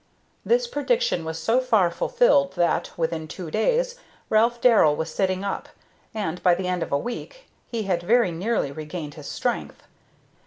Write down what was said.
This prediction was so far fulfilled that, within two days, Ralph Darrell was sitting up, and, by the end of a week, he had very nearly regained his strength.